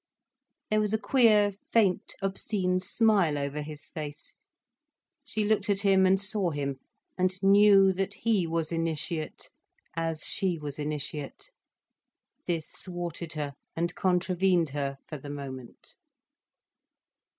There was a queer, faint, obscene smile over his face. She looked at him and saw him, and knew that he was initiate as she was initiate. This thwarted her, and contravened her, for the moment.